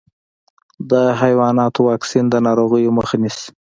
د حیواناتو واکسین د ناروغیو مخه نيسي.